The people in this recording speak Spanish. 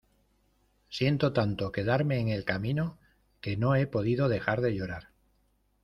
siento tanto quedarme en el camino, que no he podido dejar de llorar